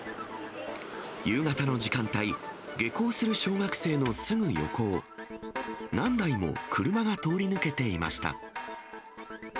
夕方の時間帯、下校する小学生のすぐ横を、何台も車が通り抜けていました。